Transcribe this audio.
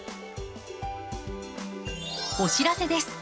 お知らせです。